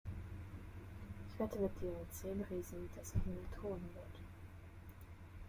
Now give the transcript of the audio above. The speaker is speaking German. Ich wette mit dir um zehn Riesen, dass er ihn entthronen wird!